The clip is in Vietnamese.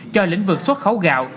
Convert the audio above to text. cho lĩnh vực xuất khẩu gạo